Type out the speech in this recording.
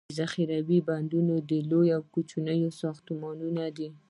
ذخیروي بندونه لوي او یا کوچني ساختمانونه دي.